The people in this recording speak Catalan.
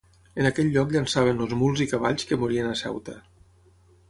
En aquell lloc llançaven els muls i cavalls que morien a Ceuta.